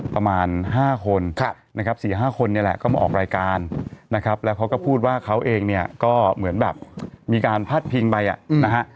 ประมาณ๕คนนะครับ๔๕คนเนี่ยแหละก็มาออกรายการนะครับแล้วเขาก็พูดว่าเขาเองเนี่ยก็เหมือนแบบมีการพาดพิงไปอ่ะนะฮะ